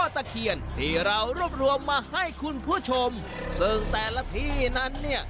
ตะเคียนที่เรารวบรวมมาให้คุณผู้ชมซึ่งแต่ละที่นั้นเนี่ย